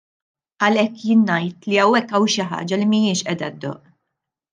Għalhekk jien ngħid li hawnhekk hawn xi ħaġa li mhijiex qiegħda ddoqq.